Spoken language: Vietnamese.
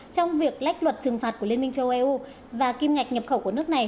trong việc lách luật trừng phạt của liên minh châu eu và kim ngạch nhập khẩu của nước này